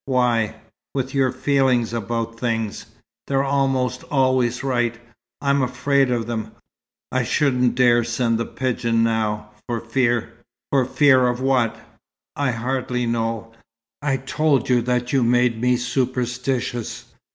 "Why?" "With your 'feelings' about things. They're almost always right. I'm afraid of them. I shouldn't dare send the pigeon now, for fear " "For fear of what?" "I hardly know. I told you that you made me superstitious."